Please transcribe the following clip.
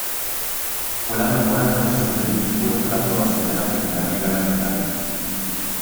Fue la mejor actuación del equipo desde la aprobación de la Primera Liga Nacional.